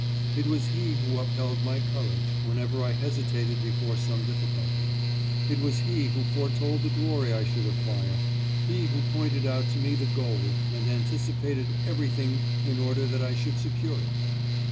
It was he who upheld my courage, whenever I hesitated before some difficulty; it was he who foretold the glory I should acquire, he who pointed out to me the goal, and anticipated everything in order that I should secure it.